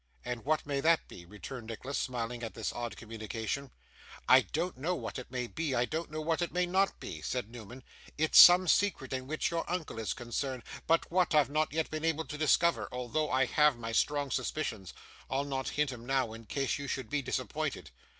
'And what may that be?' returned Nicholas, smiling at this odd communication. 'I don't know what it may be, I don't know what it may not be,' said Newman; 'it's some secret in which your uncle is concerned, but what, I've not yet been able to discover, although I have my strong suspicions. I'll not hint 'em now, in case you should be disappointed.